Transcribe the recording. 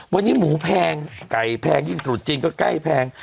วันนี้หมูแพงไก่แพงยิ่งตรุษจีนก็ใกล้แพง